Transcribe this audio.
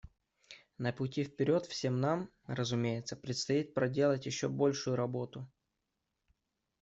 На пути вперед всем нам, разумеется, предстоит проделать еще большую работу.